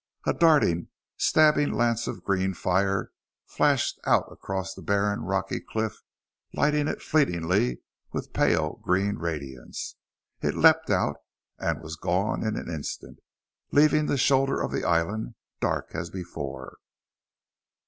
A darting, stabbing lance of green fire flashed out across the barren, rocky cliff, lighting it fleetingly with pale green radiance. It leapt out and was gone in an instant, leaving the shoulder of the island dark as before.